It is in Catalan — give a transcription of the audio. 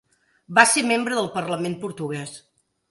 Va ser membre del Parlament portuguès.